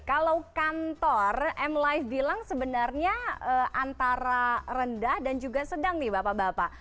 kalau kantor m life bilang sebenarnya antara rendah dan juga sedang nih bapak bapak